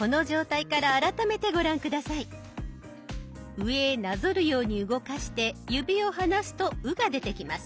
上へなぞるように動かして指を離すと「う」が出てきます。